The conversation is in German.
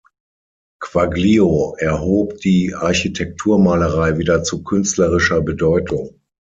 Quaglio erhob die Architekturmalerei wieder zu künstlerischer Bedeutung.